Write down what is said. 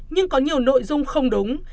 nhưng có nhiều nội dung không đúng